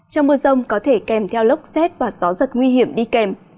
trong mưa rông có thể kèm theo lốc rét và gió rất nguy hiểm đi kèm